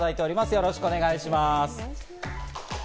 よろしくお願いします。